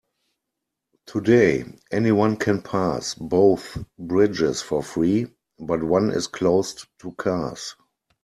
Today, anyone can pass both bridges for free, but one is closed to cars.